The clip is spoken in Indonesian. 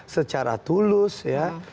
secara tulus ya